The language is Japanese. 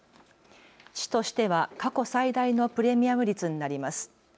市としては過去最大のプレミアム率になります。